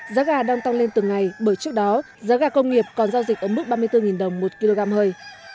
giá gà đang tăng lên từng ngày bởi trước đó giá gà công nghiệp còn giao dịch ở mức ba mươi bốn đồng một kg hơi